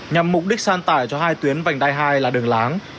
nhằm mục đích san tải cho hai tuyến vành đai hai là đường láng